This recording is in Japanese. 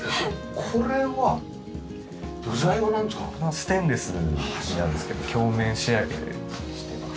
ステンレスになるんですけど鏡面仕上げにしてます。